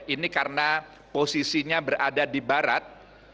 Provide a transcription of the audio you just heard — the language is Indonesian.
ini karena posisinya berada di barat